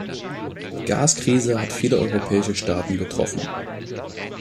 Die Gaskrise hat viele europäische Staaten getroffen.